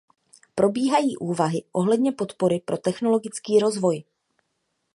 Probíhají úvahy ohledně podpory pro technologický rozvoj.